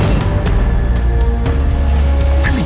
kamu bisa mengelola semua harta kamu